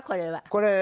これは。